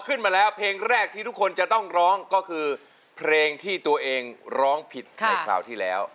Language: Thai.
ขึ้นมาแล้วเพลงแรกที่ทุกคนจะต้องร้องก็คือเพลงที่ตัวเองร้องผิดในคราวที่แล้ว